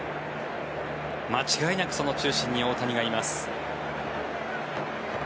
間違いなくその中心に大谷がいます。